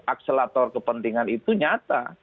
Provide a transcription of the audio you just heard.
akselator kepentingan itu nyata